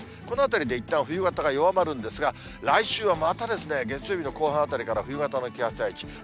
このあたりでいったん冬型が弱まるんですが、来週はまたですね、月曜日の後半あたりから冬型の気圧配置。